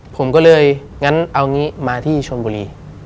ผมก็เลยงั้นเอางี้มาที่ชนบุรี